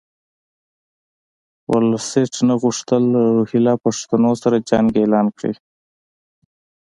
ورلسټ نه غوښتل له روهیله پښتنو سره جنګ اعلان کړي.